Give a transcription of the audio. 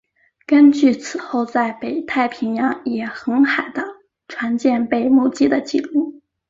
根据此后在北太平洋也航海的船舰被目击的记录。